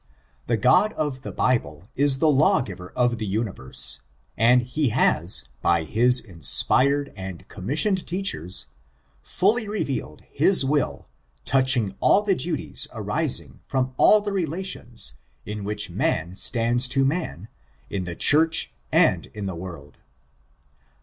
The God of the Bible is the Lawgiver of the Universe, and he has, by his inspired and commissioned teachers, fully revealed his will touching all the duties arising from all the relations in which man stands to man, in the church and in the world.